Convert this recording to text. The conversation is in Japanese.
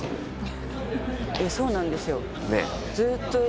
そうなんですよ。